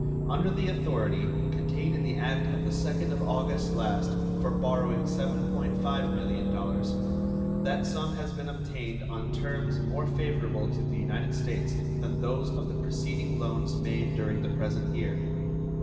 Under the authority contained in the act of the 2nd of August last for borrowing $7.5 millions, that sum has been obtained on terms more favorable to the United States than those of the preceding loans made during the present year.